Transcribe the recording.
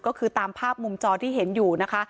ก็คือตามภาพมุมจอที่เห็นอยู่นะคะ